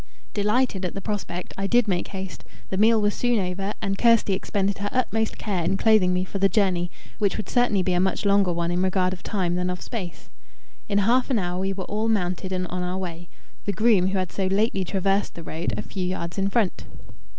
Delighted at the prospect, I did make haste; the meal was soon over, and Kirsty expended her utmost care in clothing me for the journey, which would certainly be a much longer one in regard of time than of space. In half an hour we were all mounted and on our way the groom, who had so lately traversed the road, a few yards in front.